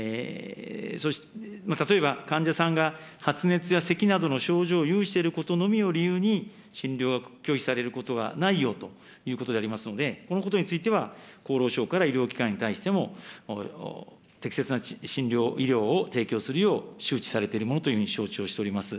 例えば患者さんが発熱やせきなどの症状を有していることのみを理由に診療が拒否されることがないようにということでありますので、そのことについては厚労省から医療機関に対しても、適切な診療、医療を提供するよう周知されているものというふうに承知をしております。